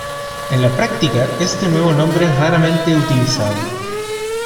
En la práctica este nuevo nombre es raramente utilizado.